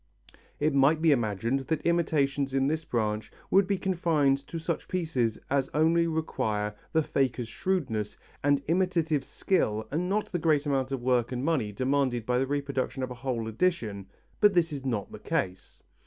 It might be imagined that imitations in this branch would be confined to such pieces as only require the faker's shrewdness and imitative skill and not the great amount of work and money demanded by the reproduction of a whole edition, but this is not the case.